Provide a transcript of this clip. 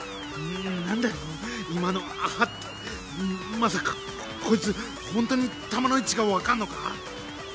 まさかこいつホントに弾の位置が分かんのか？